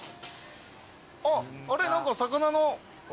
あっあれ何か魚の。